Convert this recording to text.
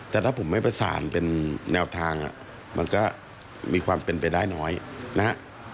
แต่ถ้าผมไม่ประสานเป็นแนวทางมันก็มีความเป็นไปได้น้อยนะฮะ